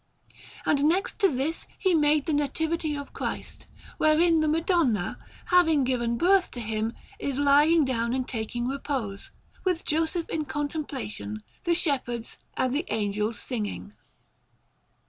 And next to this he made the Nativity of Christ, wherein the Madonna, having given birth to Him, is lying down and taking repose; with Joseph in contemplation, the shepherds, and the Angels singing.